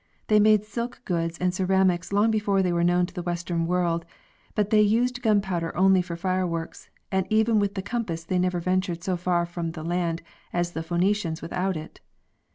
They made silk goods and ceramics long before they were known to the western world; but they used gunpowder only for fire works, and even with the compass they never ventured so far from the land as the Phenecians without it.